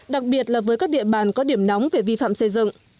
đặc biệt là với các địa bàn có điểm nóng về vi phạm xây dựng